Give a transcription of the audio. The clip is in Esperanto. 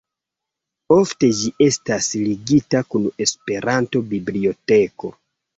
Ofte ĝi estas ligita kun Esperanto-biblioteko.